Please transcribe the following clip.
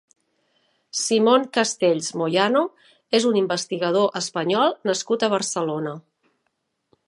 Simón Castells Moyano és un investigador Espanyol nascut a Barcelona.